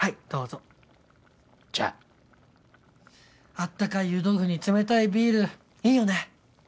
あったかい湯豆腐に冷たいビールいいよね！